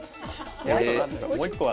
もう一個は。